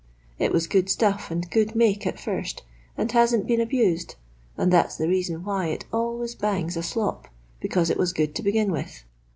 It was good stuff and good make at first, and hasn't been abused, and that's the reason why it always bangs a slop, because it wIm good to begin with.